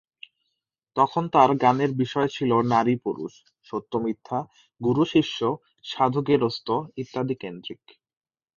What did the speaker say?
তখন তার গানের বিষয় ছিল নারী-পুরুষ, সত্য-মিথ্যা, গুরু-শিষ্য, সাধু-গেরস্থ ইত্যাদি কেন্দ্রিক।